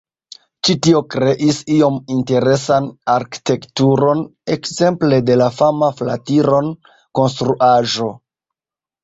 Ĉi tio kreis iom interesan arkitekturon, ekzemple de la fama Flatiron-Konstruaĵo.